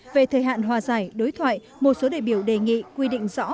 về thời hạn hòa giải đối thoại một số đại biểu đề nghị quy định rõ